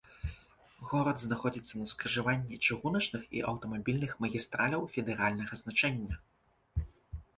Горад знаходзіцца на скрыжаванні чыгуначных і аўтамабільных магістраляў федэральнага значэння.